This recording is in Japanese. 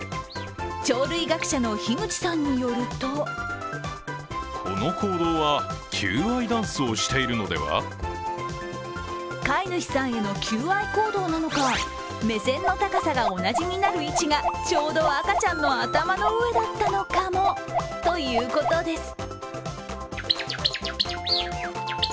鳥類学者の樋口さんによると飼い主さんへの求愛行動なのか、目線の高さが同じになる位置がちょうど赤ちゃんの頭の上だったのかもということです。